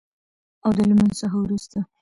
او د لمونځ څخه وروسته